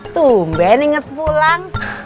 tumben inget pulang